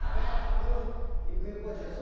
でもゆくゆくはじゃあ